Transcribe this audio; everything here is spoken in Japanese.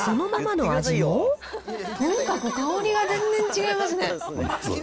とにかく香りが全然違いますね。